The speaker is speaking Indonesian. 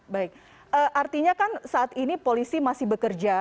baik artinya kan saat ini polisi masih bekerja